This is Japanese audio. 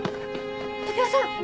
常葉さん！